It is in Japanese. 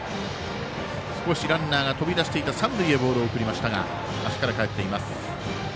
少しランナーが飛び出していた三塁へボールを送りましたが足からかえっています。